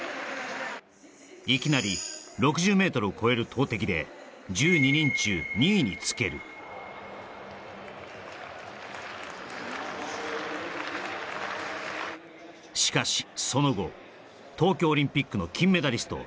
いきなり６０ｍを超える投てきでにつけるしかしその後東京オリンピックの金メダリスト